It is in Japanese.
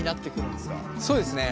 そうですね。